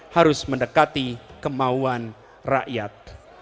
harus mendekati kemauan rakyat